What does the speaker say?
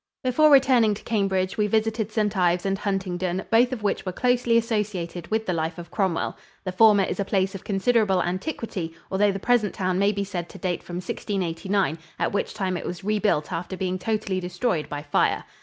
Before returning to Cambridge we visited St. Ives and Huntingdon, both of which were closely associated with the life of Cromwell. The former is a place of considerable antiquity, although the present town may be said to date from 1689, at which time it was rebuilt after being totally destroyed by fire.